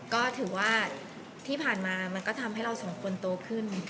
ก็ถือว่าที่ผ่านมามันก็ทำให้เราสองคนโตขึ้น